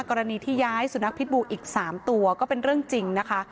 กรณีที่ย้ายสุนัขพิษบูอีก๓ตัวก็เป็นเรื่องจริงนะคะ